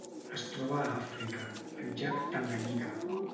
Es troba a Àfrica: el llac Tanganyika.